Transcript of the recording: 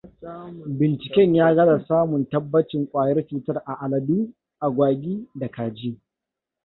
Binciken ya gaza samun tabbacin kwayar cutar a aladu, agwagi da kaji.